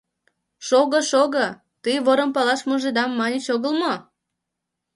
Шого-шого, тый ворым палаш мужедам маньыч огыл мо?